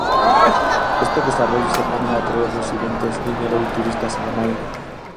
Este desarrollo se proponía atraer residentes, dinero y turistas a Maine.